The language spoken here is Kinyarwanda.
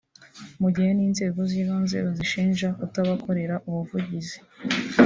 mu gihe n’inzego z’ibanze bazishinja kutabakorera ubuvugizi